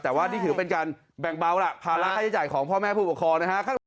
แต่ว่านี่ถือเป็นการแบ่งเบาล่ะภาระค่าใช้จ่ายของพ่อแม่ผู้ปกครองนะครับ